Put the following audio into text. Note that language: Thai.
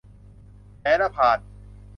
แพ้แล้วพาล